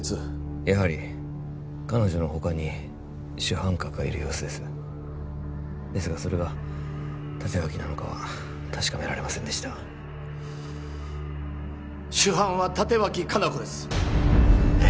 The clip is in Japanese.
やはり彼女の他に主犯格がいる様子ですですがそれが立脇なのかは確かめられませんでした主犯は立脇香菜子ですえっ？